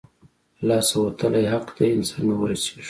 له لاسه وتلی حق دی، څنګه ورسېږو؟